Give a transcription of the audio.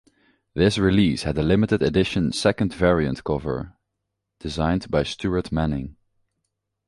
This release had a limited edition second variant cover designed by Stuart Manning.